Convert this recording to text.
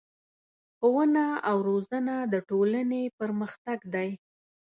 ښوونه او روزنه د ټولنې پرمختګ دی.